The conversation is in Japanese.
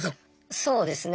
そうですね。